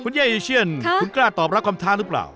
เย่อีเชียนคุณกล้าตอบรับคำท้าหรือเปล่า